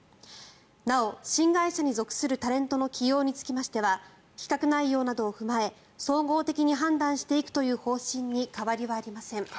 なお、新会社に属するタレントの起用につきましては企画内容などを踏まえ総合的に判断していくという方針に変わりはありません。